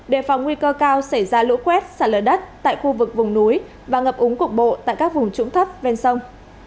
đề phòng nguy cơ cao xảy ra lũ quét xả lở đất tại khu vực vùng núi và ngập úng cục bộ tại các vùng trũng thấp ven sông